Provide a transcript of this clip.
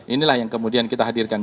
inilah yang kemudian kita hadirkan